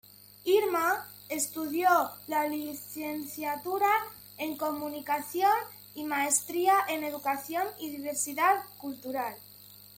Irma estudió la licenciatura en Comunicación y la maestría en Educación y Diversidad Cultural.